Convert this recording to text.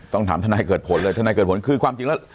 ถามทนายเกิดผลเลยทนายเกิดผลคือความจริงแล้ว